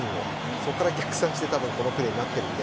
そこから逆算してこのプレーになっているので。